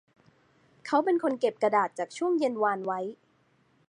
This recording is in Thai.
เขาเป็นคนเก็บกระดาษจากช่วงเย็นวานไว้